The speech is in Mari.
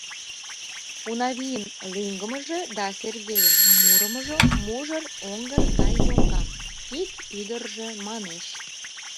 Унавийын лӱҥгымыжӧ да Сергейын мурымыжо мужыр оҥгыр гай йоҥга! — ик ӱдыржӧ манеш.